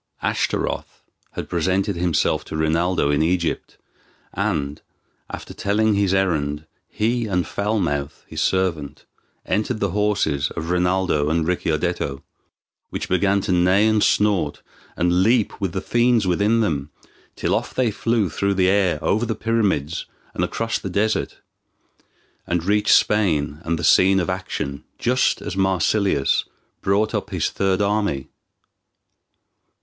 Ashtaroth had presented himself to Rinaldo in Egypt, and, after telling his errand, he and Foul mouth, his servant, entered the horses of Rinaldo and Ricciardetto, which began to neigh, and snort, and leap with the fiends within them, till off they flew through the air over the pyramids and across the desert, and reached Spain and the scene of action just as Marsilius brought up his third army.